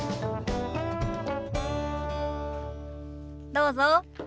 どうぞ。